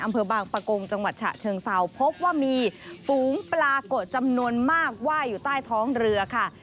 อำเภอบางปะโกงจังหวัดฉะเชิงเซาพบว่ามีฝูงปลาโกะจำนวนมากว่ายอยู่ใต้ท้องเรือค่ะ